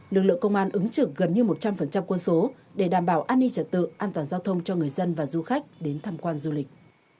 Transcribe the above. lực lượng công an ứng trực gần như một trăm linh quân số để đảm bảo an ninh trật tự an toàn giao thông cho người dân và du khách đến tham quan du lịch